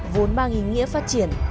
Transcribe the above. vốn mang ý nghĩa phát triển